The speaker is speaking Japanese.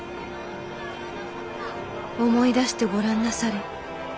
「思い出してごらんなされ。